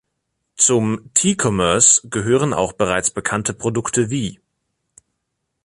Zum T-Commerce gehören auch bereits bekannte Produkte wie